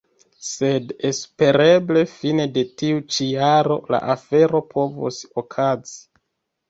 Sed espereble fine de tiu ĉi jaro la afero povos okazi.